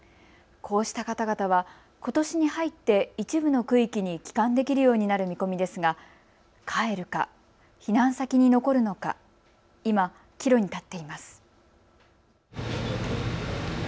こうした方々はことしに入って一部の区域に帰還できるようになる見込みですが帰るか避難先に残るのか今、岐路に立っています。